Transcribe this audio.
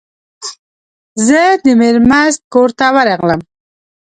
زه د میرمست کور ته ورغلم.